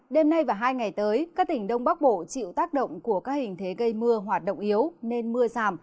đêm nay và hai ngày tới các tỉnh đông bắc bộ chịu tác động của các hình thế gây mưa hoạt động yếu nên mưa giảm